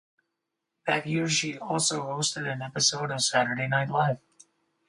That year she also hosted an episode of "Saturday Night Live".